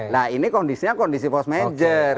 nah ini kondisinya kondisi post manager